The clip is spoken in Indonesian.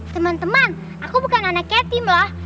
teman teman aku bukan anak yatim lah